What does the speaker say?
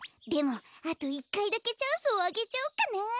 でもあと１かいだけチャンスをあげちゃおうかな。